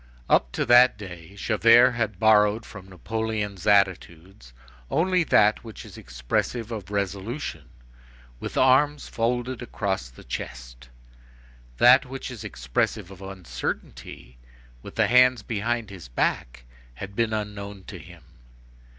Up to that day, Javert had borrowed from Napoleon's attitudes, only that which is expressive of resolution, with arms folded across the chest; that which is expressive of uncertainty—with the hands behind the back—had been unknown to him.